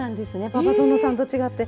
馬場園さんと違って。